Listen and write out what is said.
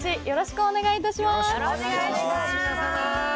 よろしくお願いします